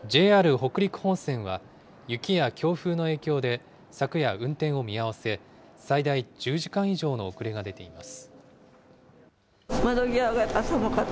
北陸本線は、雪や強風の影響で昨夜、運転を見合わせ、最大１０時間以上の遅れが出ています。